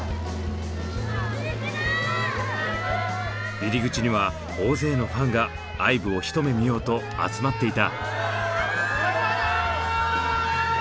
入り口には大勢のファンがＩＶＥをひと目見ようと集まっていた。